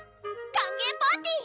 歓迎パーティー！